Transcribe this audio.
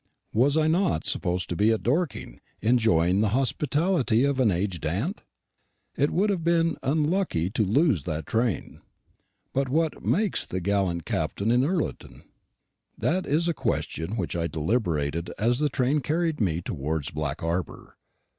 Was I not supposed to be at Dorking, enjoying the hospitality of an aged aunt? It would have been unlucky to lose that train. But what "makes" the gallant Captain in Ullerton? That is a question which I deliberated as the train carried me towards Black Harbour.